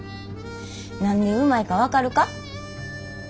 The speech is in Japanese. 何でうまいか分かるか？